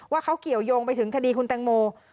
ว่าเขาเกี่ยวยงไปถึงคดีคุณแตงโม